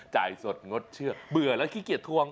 จ่ายสดงดเชือกเบื่อแล้วขี้เกียจทวง